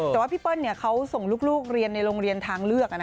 แต่ว่าพี่เปิ้ลเขาส่งลูกเรียนในโรงเรียนทางเลือก